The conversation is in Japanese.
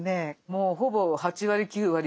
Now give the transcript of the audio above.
もうほぼ８割９割